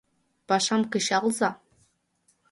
Пашам кычалза.